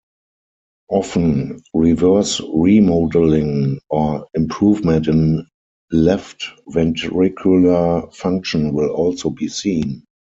Often, reverse remodeling, or improvement in left ventricular function, will also be seen.